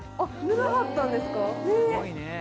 塗らはったんですかへぇ。